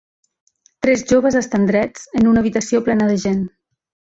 Tres joves estan drets en una habitació plena de gent